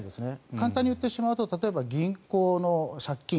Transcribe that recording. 簡単に言ってしまえば銀行の借金